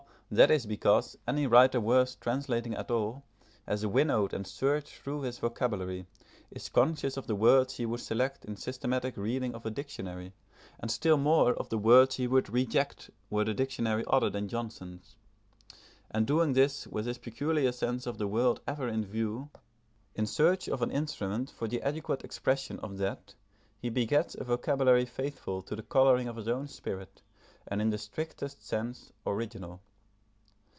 that is because any writer worth translating at all has winnowed and searched through his vocabulary, is conscious of the words he would select in systematic reading of a dictionary, and still more of the words he would reject were the dictionary other than Johnson's; and doing this with his peculiar sense of the world ever in view, in search of an instrument for the adequate expression of that, he begets a vocabulary faithful to the colouring of his own spirit, and in the strictest sense original.